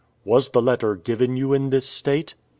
"Was the letter given you in this state?"